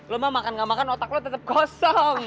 lo mah makan gak makan otak lo tetap kosong